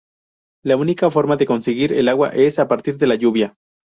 La única forma de conseguir el agua, es partir de la lluvia.